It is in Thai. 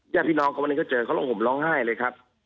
ญาติพี่น้องเขาวันนี้ก็เจอเขาร้องห่มร้องไห้เลยครับ